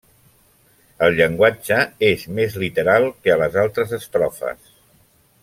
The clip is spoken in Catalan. El llenguatge és més literal que a les altres estrofes.